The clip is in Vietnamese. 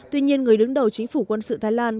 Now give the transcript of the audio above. tuy nhiên người đứng đầu chính phủ quân sự thái lan